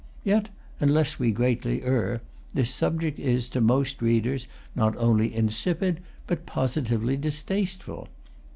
Yet, unless we greatly err, this subject is, to most readers, not only insipid, but positively distasteful.